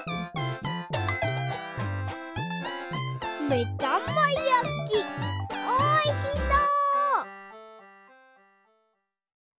めだまやきおいしそう！